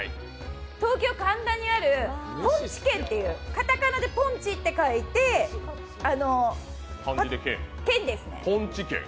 東京・神田にあるポンチ軒っていうカタカナでポンチって書いて軒ですね。